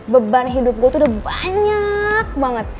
beban hidup gue tuh udah banyak banget